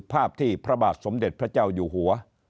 ภาพที่พระบาทสมเด็จพระเจ้าอยู่หัว